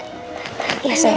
terima kasih nenek